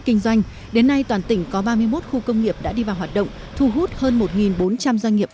kinh doanh đến nay toàn tỉnh có ba mươi một khu công nghiệp đã đi vào hoạt động thu hút hơn một bốn trăm linh doanh nghiệp